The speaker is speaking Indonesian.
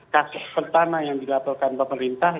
kasus pertama yang dilaporkan pemerintah